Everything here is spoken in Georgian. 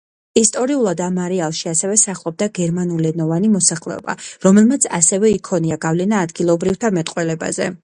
ისტორიულად, ამ არეალში ასევე სახლობდა გერმანულენოვანი მოსახლეობა, რომელმაც ასევე იქონია გავლენა ადგილობრივთა მეტყველებაზე.